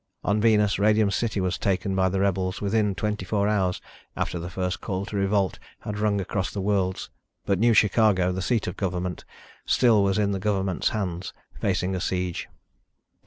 On Venus, Radium City was taken by the rebels within twenty four hours after the first call to revolt had rung across the worlds, but New Chicago, the seat of government, still was in the government's hands, facing a siege.